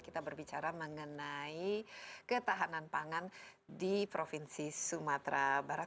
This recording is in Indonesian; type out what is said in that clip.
kita berbicara mengenai ketahanan pangan di provinsi sumatera barat